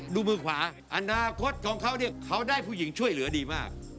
ดูมือขวาอนาคตของเขาเนี่ยเขาได้ผู้หญิงช่วยเหลือดีมาก